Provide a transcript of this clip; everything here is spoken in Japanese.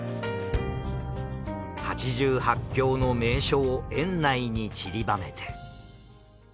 八十八境の名所を園内に散りばめて。